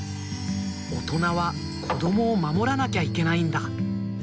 おとなはこどもをまもらなきゃいけないんだ！